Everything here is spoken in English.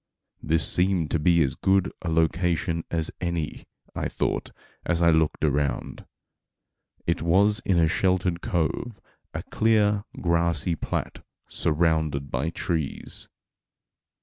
This seemed to be as good a location as any, I thought, as I looked around. It was in a sheltered cove, a clear, grassy plat surrounded by trees.